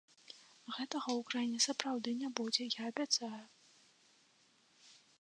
Гэтага ў краіне сапраўды не будзе, я абяцаю.